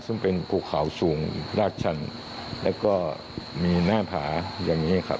ซึ่งเป็นภูเขาสูงราดชันแล้วก็มีหน้าผาอย่างนี้ครับ